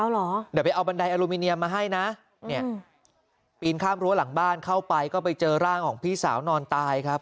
เดี๋ยวไปเอาบันไดอลูมิเนียมาให้นะเนี่ยปีนข้ามรั้วหลังบ้านเข้าไปก็ไปเจอร่างของพี่สาวนอนตายครับ